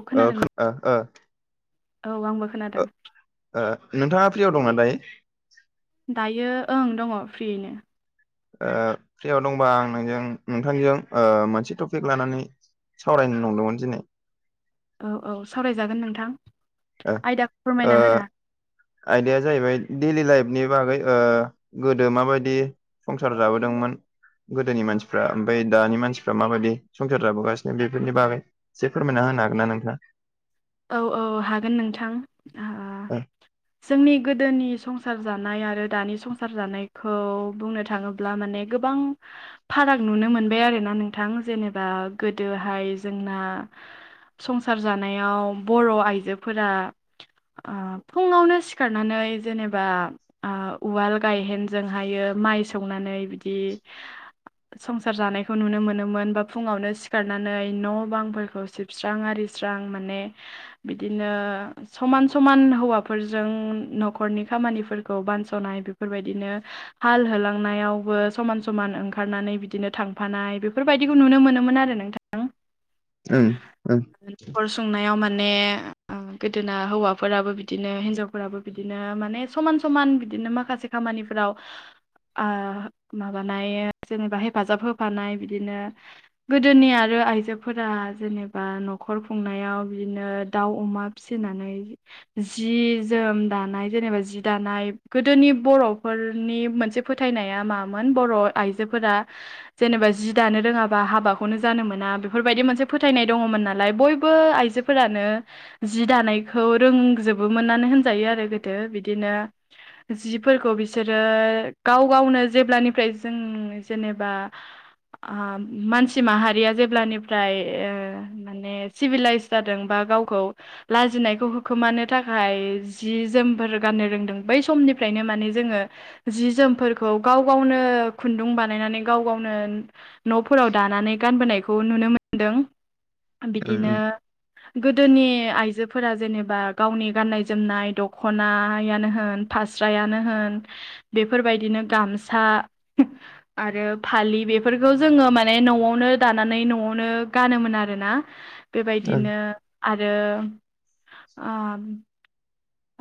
औ ओ खोनादों खो ओ ओ औ आंबो खोनादों। ओ नोंथाङा फ्रियाव दंना दायो? दायो ओं दङ फ्रियैनो ओ फ्रियाव दंबा आं नोंजों नोंथांजों ओ मोनसे टपिक लानानै सावरायनो नंदोंमोन दिनै औ औ सावरायजागोन नोंथां ओ आयदाखौ ओ फोरमायना होनो आयदाया जाहैबाय दैडेलि लाइफनि बागै ओ गोदो माबायदि संसार जाबोदोंमोन? गोदोनि मानसिफ्रा ओमफ्राय दानि मानसिफ्रा माबायदि संसार जाबोगासिनो बेफोरनि बागै एसे फोरमायना होनो हागोन ना नोंथाङा औ औ हागोन नोंथां हा ओं जोंनि गोदोनि संसार जानाय आरो दानि संसार जानायखौ बुंनो थाङो ब्ला माने गोबां फाराग नुनो मोनबाय आरोना नोंथां जेनेबा गोदोहाय जोंना संसार जानायाव बर' आइजोफोरा फुङावनो सिखारनानै जेनेबा ओ उवाल गायहेनजोंहायो माइ सौनानै बिदि संसार जानायखौ नुनो मोनोमोन बा फुङावनो सिखारनानै न' बांफोरखौ सिबस्रां आरिस्रां माने बिदिनो समान समान हौवाफोरजों नखरनि खामानिफोरखौ बानस'नाय बेफोर बायदिनो हाल होलांनायावबो समान समान ओंखारनानै बिदिनो थांफानाय बेफोरबायदिखौ नुनो मोनोमोन आरो नों नोंथां नखर सुंनायाव माने उम गोदोना हौवाफोराबो बिदिनो हिनजावफोराबो बिदिनो माने समान समान बिदिनो माखासे‌ खामानिफोराव ओ माबानाया जेनेबा हेफाजाब होफानाय बिदिनो गोदोनि आरो आइजोफोरा जेनेबा नखर खुंनायाव बिदिनो दाउ, अमा फिसिनानै जि- जोम दानाय जेनेबा जि दानाय गोदोनि बर'फोरनि मोनसे फोथायनाया मामोन बर' आइजोफोरा जेनेबा जि दानो रोङाबा हाबाखौनो जानो मोना बेफोर बायदि मोनसे फोथायनाय दङमोन नालाय बयबो आइजो फोरानो जि दानायखौ रोंजोबोमोननानै होनजायो आरो गोदो बिदिनो जिफोरखौ बिसोरो गाव गावनो जेब्लानिफ्राय जों जेनेबा ओ मानसि माहारिया जेब्लानिफ्राय ओ माने सिभिलाइस जादों बा गावखौ लाजिनायखौ होखोमानो थाखाय जि-जोमफोर गाननो रोंदों बै समनिफ्रायनो माने जोङो जि-जोमफोरखौ गाव गावनो खुन्दुं बानायनानै गाव गावनो न'फोराव दानानै गानबोनायखौ नुनो मोनदों ओं बिदिनो गोदोनि आइजोफोरा जेनेबा गावनि गाननाय-जोमनाय दख'नायानो होन फास्रायानो होन बेफोर बायदिनो गामसा आरो फालि बेफोरखो जोङो माने न'आवनो दानानै न'आवनो गानोमोन आरोना। ओ बेबायदिनो आरो उम।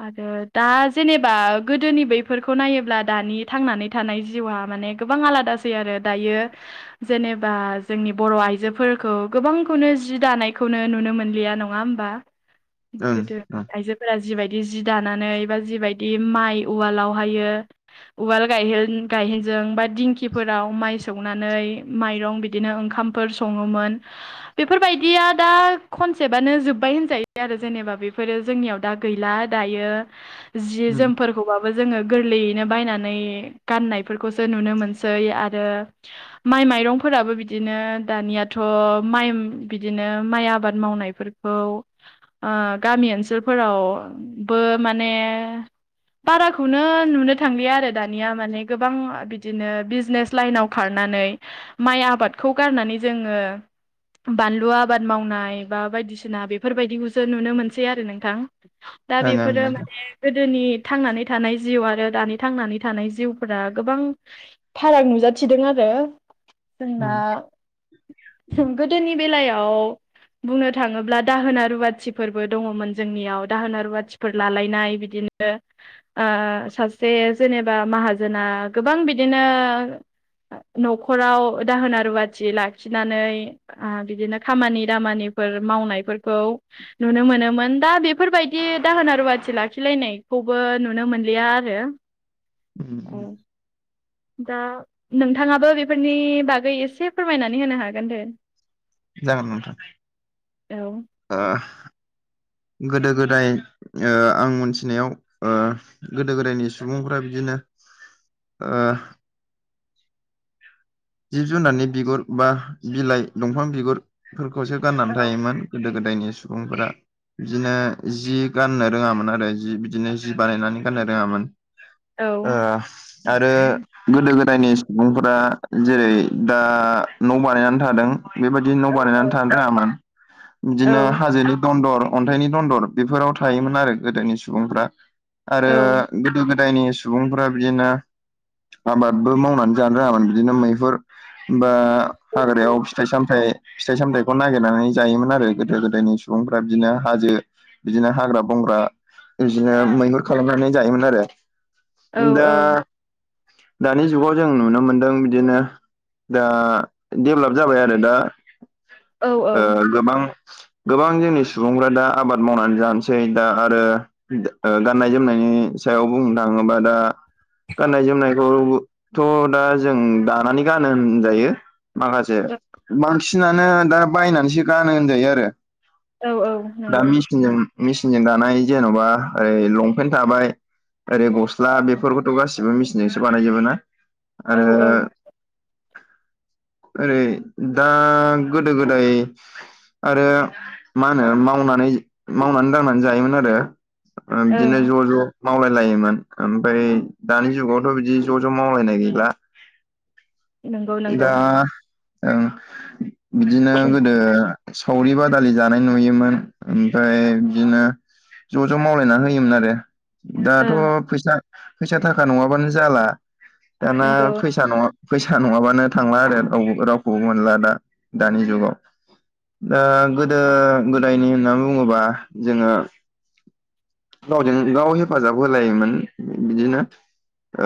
आरो दा जेनेबा गोदोनि बैफोरखौ नायोब्ला दानि थांनानै थानाय जिउआ माने गोबां आलादासै आरो दायो जेनेबा जोंनि बर' आइजोफोरखौ गोबांखौनो जि दानायखौनो नुनो मोनलिया नङा होमबा। ओं गोदो ओं आइजो जि बायदि जि दानानै बा जि बायदि माइ उवालावहायो उवाल गाय गायहेनजों बा दिंखिफोराव माइ सौनानै माइरं बिदिनो ओंखाम फोर सङोमोन। बेफोर बायदिया दा कनसेप्टनो जोबबाय होनजायो आरो जेनेबा बेफोरो जोंनियाव दा गैला दायो ओं जि-जोमफोरखौ खौबाबो जोङो गोरलैयैनो बायनानै गाननायफोरखौसो नुनो मोनसै आरो माइ माइरंफोराबो बिदिनो दानियाथ' माइ बिदिनो माइ आबाद मावनायफोर खौ आ गामि ओनसोलफोरावबो माने बाराखौनो नुनो थांलिया आरो दानिया माने गोबां ओ बिदिनो बिजनेस लाइनाव खारनानै माइ आबादखौ गारनानै जोङो बानलु आबाद मावनाय बा बायदिसिना बेफोर बायदिखौसो नुनो मोनसै आरो नोंथां। दा ओं बेफोरो नोंथां माने गोदोनि थांनानै थानाय जिउ आरो दानि थांनानै थानाय जिउफोरा गोबां फाराग नुजाथिदों आरो जोंना जों गोदोनि बेलायाव बुंनो थाङोब्ला दाहोना रुवाथिफोरबो दङ'मोन जोंनियाव दाहोना रुवाथिफोर लालायनाय बिदिनो ओ सासे जेनेबा माहाजोना गोबां बिदिनो न'खराव दाहोना रुवाथि लाखिनानै ओ बिदिनो खामानि दामानिफोर मावनायफोरखौ नुनो मोनोमोन दा बे बेफोर बायदि दाहोना रुवाथि लाखिलायनायखौबो नुनो मोनलिया आरो। उम। ओ दा नोंथाङाबो बेफोरनि बागै एसे फोरमायनानै होनो हागोन दे। दा जागोन नोंथां औ ओ गोदो गोदाय आं मोनथिनायाव। गोदो गोदायनि सुबुंफ्रा बिदिनो ओ जिब जुनारनि बिगुर बा बिलाइ दंफां बिगुर फोरखौसो गाननानै थायोमोन गोदो गोदायनि सुबुंफोरा ओ बिदिनो जि गाननो रोङामोन आरो जि बिदिनो जि बानायनानै गाननो रोङामोन औ आरो गोदो गोदायनि सुबुंफोरा जेरै दा न' बानायनानै थादों बेबायदि औ न' औ बानायनानै थानो रोङामोन। बिदिनो हाजोनि दन्दर अन्थाइनि दन्दर बेफोराव थायोमोन आरो गोदोनि सुबुंफ्रा औ आरो ओ गोदो गोदायनि सुबुंफोरा बिदिनो आबादबो मावनानै जानो रोङामोन बिदिनो मैहुर बा हाग्रायाव फिथाइ सामथायाइ फिथाइ सामथायखौ नागिरनानै जायोमोन आरो गोदो गोदायनि सुबुंफ्रा बिदिनो हाजो बिदिनो हाग्रा बंग्रा बिदिनो मैहुर खालामनानै जायोमोन आरो। औ दा दानि जुगाव जों नुनो मोनदों। बिदिनो दा डेभलप जाबाय आरो दा। औ ओ गोबां गोबां जोंनि सुबुंफ्रा दा आबाद मावनानै जानोसै दा आरो। ओ गाननाय-जोमनायनि सायाव बुंनो थाङोबा दा गाननाय-जोमनायखौथ' दा जोङो दानानै गानो होनजायो माखासे मान बांसिनानो दा बायनानैसो गानो होनजायो आरो दा नंगौ मेसिनजों मिसिनजों दानाय जेन'बा ओरै लंपेन्ट थाबाय ओरै गस्ला बेफोरखौथ' गासिबो मेसिनजोंसो बानायजोबो ना औ आरो औ ओ ओरै दा गोदो-गोदाय आरो मा होनो मावनानै मावनानै-दांनानै जायोमोन आरो। बिदिनो ओं ज' ज' मावलायलायोमोन ओमफाय दानि जुगावथ' बिदि ज' ज' मावलायनाय गैला। नंगौ नंगौ दा ओ बिदिनो गोदो सावरि बादालि जानाय नुयोमोन ओमफ्राय बिदिनो ज' ज' मावलायना होयोमोन आरो दाथ' ओं फैसा फैसा थाखा नङाबानो जाला दाना नंगौ फैसा नङा। फैसा नङाबानो थांला आरो रावबो रावखौबो मोनला दा दानि जुगाव ओ दा गोदो-गोदायनि होनना बुङोबा जोङो। गावजों गाव हेफाजाब होलायोमोन बिदिनो।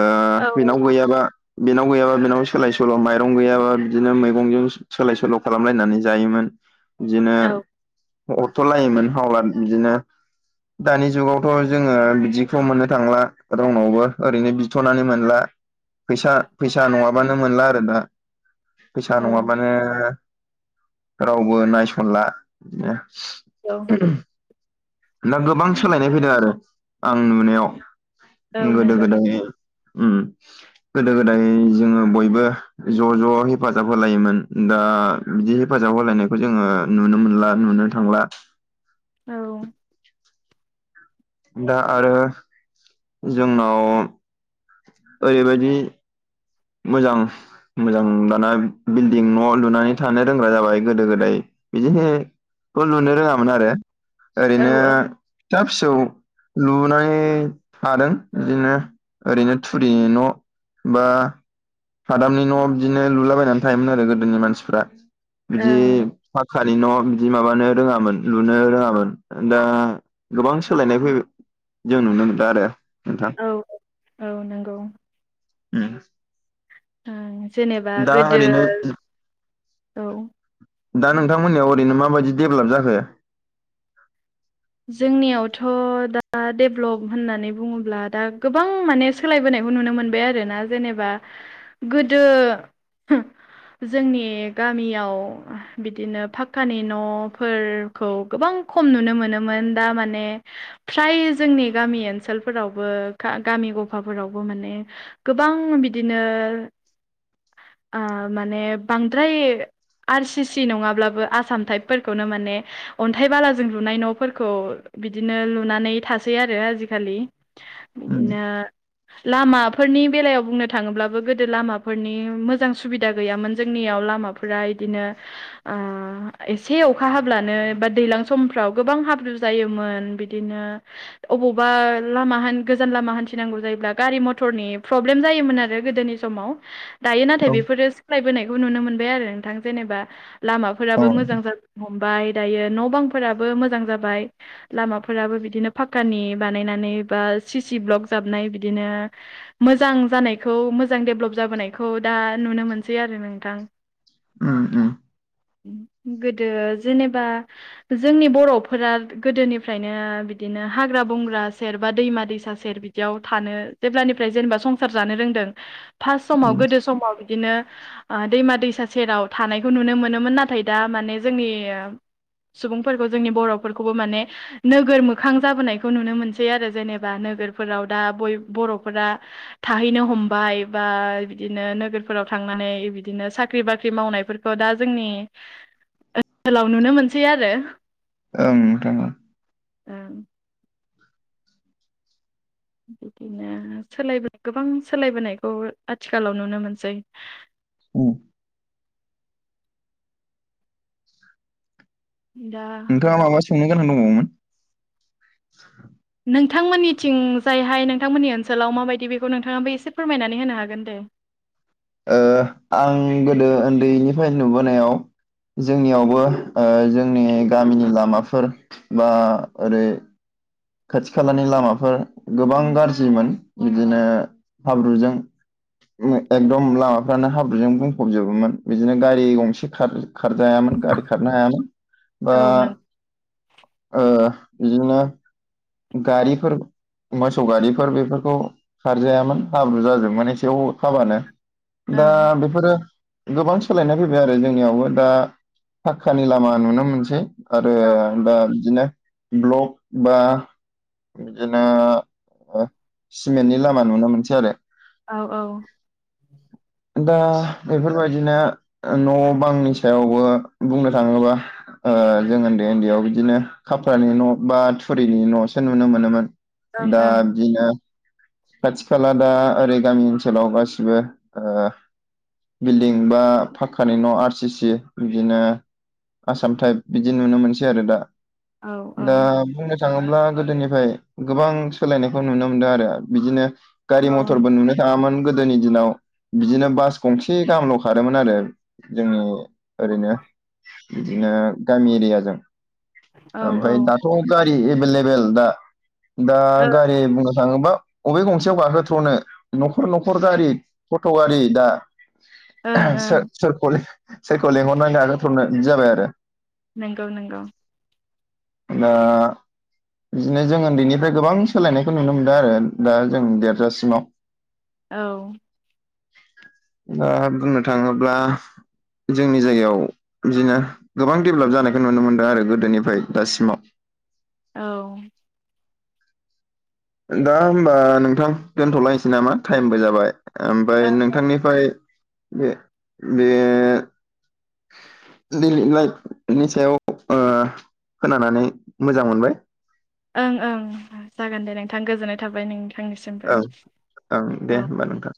ओ औ बेनाव गैयाबा बेनाव गैयाबा बे बिनाव सोलाय सोल' माइरं गैयाबा बिदिनो मैगंजों सोलाय सोल' खालामलायनानै जायोमोन। बिदिनो औ हरथ' लायोमोन हावलाद बिदिनो। दानि जुगावथ' जोङो बिदिखौ मोननो थांला रावनावबो ओरैनो बिथ'नानै मोनला फैसा फैसा नङाबानो मोनला आरो दा फैसा औ नङाबानो ओ रावबो नायस'नला ओ औ। [unintelligible] दा गोबां सोलायनाय फैदों आरो आं औ नुनायाव नंगौ नंगौ गोदो-गोदाय। ओम गोदो-गोदाय जोङो बयबो अ ज' ज' हेफाजाब ओ होलायोमोन दा बिदि हेफाजाब होलायनायखौ जोङो नुनो मोनला नुनो थांला। औ। दा आरो जोंनाव ओरैबायदि मोजां मोजां दाना बिल्डिं न' लुनानै थानो रोंग्रा जाबाय गोदो-गोदाय बिदिनो खौ लुनो रोङामोन आरो औ ओरैनो औ फिसा-फिसौ लुनानै थादों बिदिनो ओरैनो थुरिनि न' बा हादामनि न' बिदिनो लुलाबायनानै थायोमोन आरो गोदोनि मानसिफ्रा बिदि ओं फा खानि न' बिदि माबानो रोङामोन लुनो रोङामोन दा गोबां सोलायनाय फैबाय जों नुनो मोनदों आरो नोंथां औ औ औ नोंगौ ओम ओं जेनेबा गोदो ओरैनो औ दा नोंथांमोननियाव ओरैनो माबायदि डेभेलप जाखो? जोंनियावथ' दा डेभ्लप होननानै बुङोब्ला दा गोबां माने सोलायबोनायखौ नुनो मोनबाय आरोना जेनेबा गोदो जोंनि गामियाव बिदिनो फाक्कानि न'फोरखौ गोबां खम नुनो मोनो मोन दा माने फ्राय जोंनि गामि ओनसोलफोरावबो गामि गफाफोरावबो माने गोबां बिदिनो ओ माने बांद्राय आर सि सि नङाब्लाबो आसाम टाइप फोरखौनो माने अन्थाइ बालाजों लुनाय न' फोरखौ बिदिनो लुनानै थासै आरो आजिखालि उम। बिदिनो लामाफोरनि बेलायाव बुंनो थाङोब्लाबो गोदो लामाफोरनि मोजां सुबिदा गैयामोन जोंनियाव लामा फ्राय बिदिनो ओ एसे अखा हाब्लानो बा दैज्लां समफ्राव गोबां हाब्रु जायोमोन बिदिनो अबावबा लामा हान गोजान लामा हान्थिनांगौ जायोब्ला गारि मथरनि प्रब्लेम जायोमोन आरो गोदोनि समाव दायो नाथाय औ बेफोरो सोलायबोनायखौ नुनो मोनबाय आरो नोंथां जेनेबा औ लामाफोराबो मोजां जानो ह बाय दायो न' बांफोराबो मोजां जाबाय। लामाफोराबो बिदिनो फाकानि बानायनानै बा सिसि ब्लक जाबनाय बिदिनो मोजां जानायखौ मोजां डेभलप जाबोनायखौ दा नुनो मोनसै आरो नोंथां ओम ओम गोदो जेनेबा जोंनि बर'फोरा गोदोनिफ्रायनो बिदिनो हाग्रा बंग्रा सेर बा दैमा दैसा सेर बि याव थानो जेब्लानिफ्राय जेनेबा संसार जानो रोंदों फार्स्ट समाव उम गोदो समाव बिदिनो ओ दैमा दैसा सेराव थानायखौ नुनो मोनोमोन नाथाय दा माने जोंनि सुबुंफोरखौ जोंनि बर'फोरखौबो माने नोगोर मोखां जाबोनायखौ नुनो मोनसै आरो जेनेबा नोगोरफोराव दा बय बर'फोरा थाहैनो हमबाय बा बिदिनो नोगोरफोराव थांनानै बिदिनो साख्रि बाख्रि मावनायफोर खौ दा जोंनि ओनसोलाव नुनो मोनसै आरो। ओं नोंथां ओं ओ बिदिनो सोलाय गोबां सोलायबोनायखौ आथिखालाव नुनो मोनसै उम दा नोंथाङा माबा सोंनो गोनां दंबावोमोन? नोंथांमोननिथिं जायहाय नोंथांमोननि ओनसोलाव माबायदि बेखौ नोंथाङाबाबो एसे फोरमायनानै होनो हागोन दे ओ आं गोदो उन्दैनिफ्राय नुबोनायाव जोंनियावबो ओ जोंनि गामिनि लामाफोर बा ओरै खाथि खालानि लामाफोर गोबां गाज्रिमोन बिदिनो ओ हाब्रुजों [unintelligible] एकदम लामाफ्रानो हाब्रुजों बुंफबजोबोमोन बिदिनो गारि गंसे खारजायामोन गारि खारनो हायामोन। [inaudible] बा नों ओ बिदिनो गारिफोर मोसौ गारिफोर बेफोरखौ खारजायामोन हाब्रु जाजोबमोन एसे अखा हाबानो। दा ओं बेफोरो गोबां सोलायनाय फैबाय आरो जोंनियावबो दा फक्कानि लामा नुनो मोनसै आरो औ दा बिदिनो ब्लक बा बिदिनो ओ सिमेन्टनि लामा नुनो मोनसै आरो। औ औ दा बेफोरबायदिनो न' बांनि सायावबो बुंनो थाङोबा ओ जों उन्दै उन्दैयाव बिदिनो खाप्रानि न' बा थुरिनि न'सो नुनो मोनोमोन। दा ओं बिदिनो खाथि खाला दा ओरै गामि ओनसोलाव गासिबो ओ बिल्डिं बा पाखक्कानि न' आर सि सि बिदिनो आसाम टाइप बिदि नुनो मोनसै आरो दा। औ औ दा बुंनो थाङोब्ला गोदोनिफ्राय गोबां सोलायनायखौ नुनो मोनदों आरो। बिदिनो गारि औ मथरबो नुनो थाङामोन। गोदोनि दिनाव बिदिनो बास गंसे गाहामल' खारोमोन आरो। जोंङो ओरैनो बिदिनो गामि एरियाजों औ ओमफ्राय दा थ गारि एभेलेबेल दा दा ओं गारि बुंनो थाङोबा अबे गंसेयाव गाखोथ्र'नो न'खर न'खर गारि थट' गारि दा ओं सोर ओं सोरखौ सोरखौ लेंहरनानै नागारथरनो जाबाय आरो। नोंगौ नोंगौ दा बिदिनो जों उन्दैनिफ्राय गोबां सोलायनायखौ नुनो मोनदों आरो। दा जों देरजासिमाव औ दा बुंनो थाङोब्ला जोंनि जायगायाव बिदिनो गोबां दडेभेलप जानायखौ नुनो मोनदों आरो गोदोनिफ्राय दासिमाव। औ दा होमबा नोंथां दोनथ'लायनोसै नामा टाइमबो जाबाय। ओमफ्राय नोंथांनिफ्राय बे बे दैलि लाइफनि सायाव खोनानानै मोजां मोनबाय। ओं ओं जागोन दे नोंथां गोजोननाय थाबाय नोंथांनिसिमबो। ओं ओं दे औ होमबा नोंथां।